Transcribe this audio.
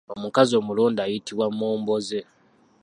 Omukazi omulonde ayitibwa Mmomboze.